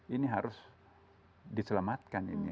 ini harus diselamatkan ini